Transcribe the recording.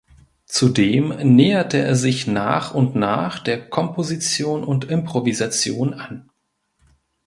Zudem näherte er sich nach und nach der Komposition und Improvisation an.